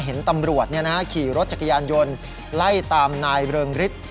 เห็นตำรวจขี่รถจักรยานยนต์ไล่ตามนายเริงฤทธิ์